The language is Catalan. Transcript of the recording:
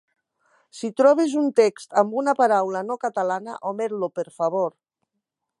Si trobes un text amb una paraula no catalana, omet-lo, per favor!